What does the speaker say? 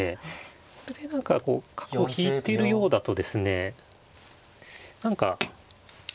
これで何かこう角を引いてるようだとですね何か。